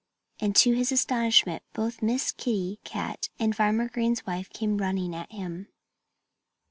And to his astonishment both Miss Kitty Cat and Farmer Green's wife came running at him.